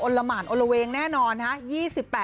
ละหมานโอละเวงแน่นอนนะฮะ